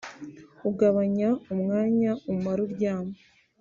ugabanya umwanya umara uryamye